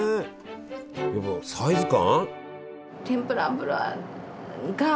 やっぱサイズ感？